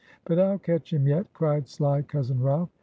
But I'll catch him yet, cried sly cousin Ralph.